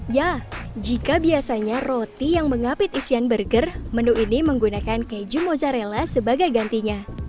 ya jika biasanya roti yang mengapit isian burger menu ini menggunakan keju mozzarella sebagai gantinya